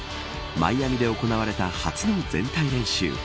マイアミで行われた初の全体練習。